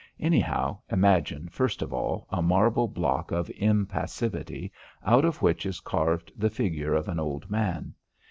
Anyhow, imagine, first of all, a marble block of impassivity out of which is carved the figure of an old man.